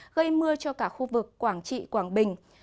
gây mưa cho cả khu vực quảng trị quảng bình